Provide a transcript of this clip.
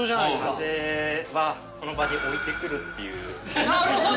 風はその場に置いてくるってなるほど。